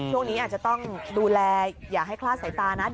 ช่วงนี้อาจจะต้องดูแลอย่าให้คลาดสายตานะ